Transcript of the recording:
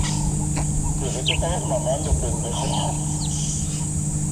El proyecto fue rápidamente abandonado.